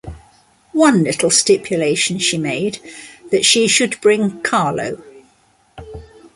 One little stipulation she made, that she should bring Carlo.